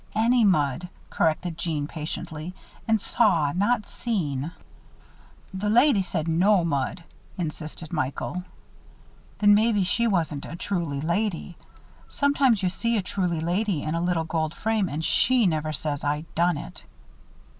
'" "Any mud," corrected Jeanne, patiently. "And saw, not seen." "The lady said 'no mud,'" insisted Michael. "Then maybe she wasn't a truly lady. Sometimes you see a truly lady in a little gold frame and she never says 'I done it.'"